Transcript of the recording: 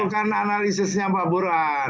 itu kan analisisnya pak burhan